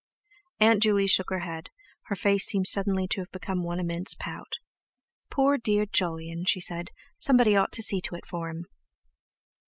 Aunt Juley shook her head; her face seemed suddenly to have become one immense pout. "Poor dear Jolyon," she said, "somebody ought to see to it for him!"